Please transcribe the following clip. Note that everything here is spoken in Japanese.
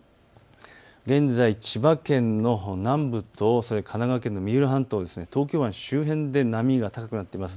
現在、千葉県の南部と神奈川県の三浦半島、東京湾周辺で波が高くなっています。